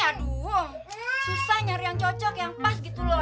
aduh susah nyari yang cocok yang pas gitu loh